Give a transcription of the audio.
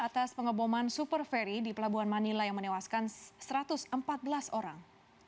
atas pengeboman super ferry di pelabuhan manila yang menewaskan satu ratus empat belas orang